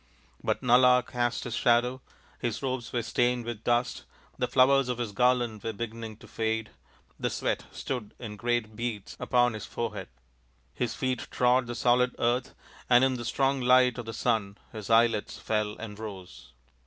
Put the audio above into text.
But Nala cast his shadow ; his robes were stained with dust ; the flowers of his garland were beginning to fade ; the sweat stood in great beads upon his forehead ; his feet trod the solid earth, and in the strong light of the sun his eyelids fell and rose.